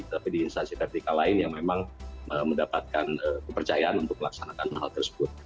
tapi di instansi vertikal lain yang memang mendapatkan kepercayaan untuk melaksanakan hal tersebut